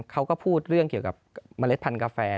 เขาก็พูดเรื่องเกี่ยวกับเมล็ดพันธกาแฟ